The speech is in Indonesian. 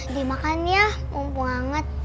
dimakan ya mumpung hangat